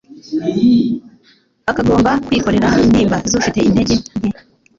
akagomba kwikorera intimba z'ufite intege nke.